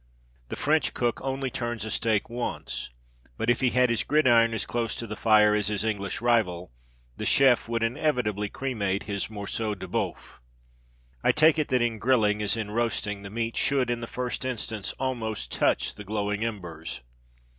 The French cook only turns a steak once; but if he had his gridiron as close to the fire as his English rival, the chef would inevitably cremate his morçeau d'boeuf. I take it that in grilling, as in roasting, the meat should, in the first instance, almost touch the glowing embers.